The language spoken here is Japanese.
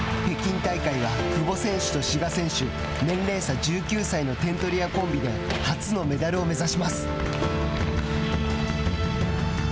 北京大会は久保選手と志賀選手年齢差１９歳の点取り屋コンビで初のメダルを目指します。